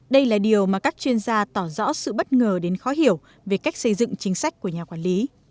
đây là điều mà các chuyên gia tỏ rõ sự bất ngờ đến khó hiểu về cách xây dựng chính sách của nhà quản lý